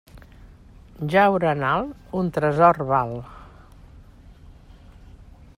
Jaure en alt, un tresor val.